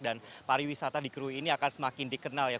dan pariwisata di krui ini akan semakin dikenal ya